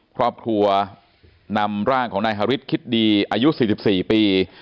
ครอบครัวนำร่างของนายฮาริสคิดดีอายุ๔๔ปี